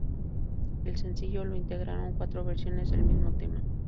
El sencillo lo integraron cuatro versiones del mismo tema.